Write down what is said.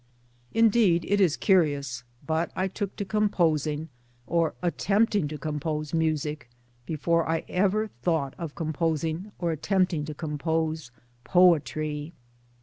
Indeed, it is curious, but I took to composing, or attempting to compose, music before ever I thought of composing or attempting to compose poetry.